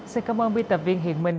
xin cảm ơn biên tập viên hiền minh